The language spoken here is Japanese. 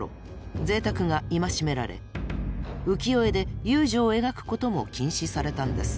ぜいたくが戒められ浮世絵で遊女を描くことも禁止されたんです。